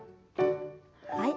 はい。